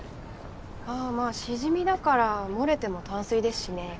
ああまあシジミだから漏れても淡水ですしね